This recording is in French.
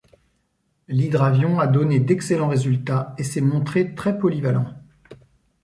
L'hydravion a donné d'excellents résultats et s'est montré très polyvalent.